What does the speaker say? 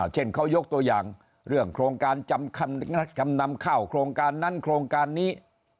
เช่นเขายกตัวอย่างเรื่องโครงการจำนำข้าวโครงการนั้นโครงการนี้